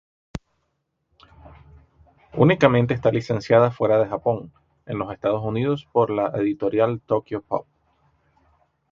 Únicamente está licenciada fuera de Japón, en los Estados Unidos por la editorial Tokyopop.